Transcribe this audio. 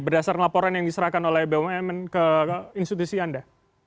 berdasar laporan yang diserahkan oleh bumn ke institusi anda